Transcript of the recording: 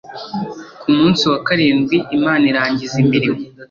Ku munsi wa karindwi Imana irangiza imirimo